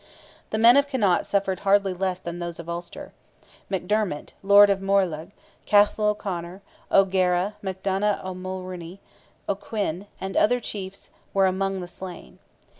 The men of Connaught suffered hardly less than those of Ulster. McDermott, Lord of Moylurgh, Cathal O'Conor, O'Gara, McDonogh, O'Mulrony, O'Quinn, and other chiefs were among the slain.